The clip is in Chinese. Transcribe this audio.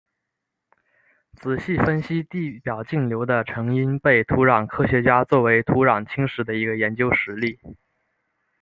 仔细分析地表径流的成因被土壤科学家作为土壤侵蚀的一个研究实例。